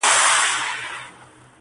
نوي کورونه جوړ سوي دلته ډېر